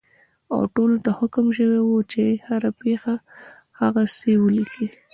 او ټولو ته حکم شوی وو چې هره پېښه هغسې ولیکي.